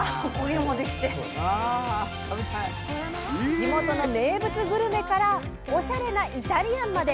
地元の名物グルメからおしゃれなイタリアンまで！